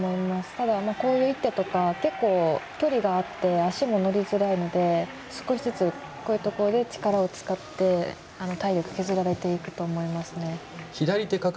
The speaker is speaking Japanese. ただ、こういう１手とか結構、距離があって足も伸びづらいので少しずつこういうところで力を使って体力を削られていくと思いますね。